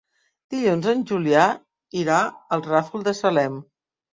Dilluns en Julià irà al Ràfol de Salem.